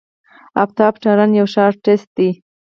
آفتاب تارڼ يو ښه آرټسټ دی.